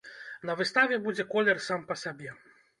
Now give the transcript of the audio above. На выставе будзе колер сам па сабе.